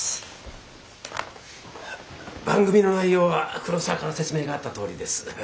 番組の内容は黒沢から説明があったとおりです。